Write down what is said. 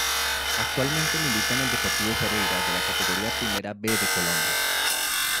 Actualmente milita en el Deportivo Pereira de la Categoría Primera B de Colombia.